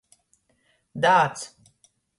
Dāds.